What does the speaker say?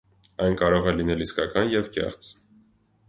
Այն կարող է լինել իսկական և կեղծ։